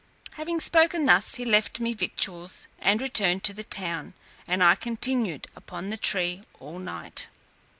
Having spoken thus, he left me victuals, and returned to the town, and I continued upon the tree all night.